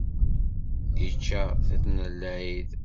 Ičča tiṭ n lɛid.